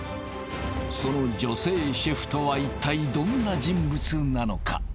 その女性シェフとはいったいどんな人物なのか？